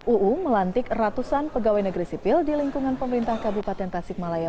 uu melantik ratusan pegawai negeri sipil di lingkungan pemerintah kabupaten tasikmalaya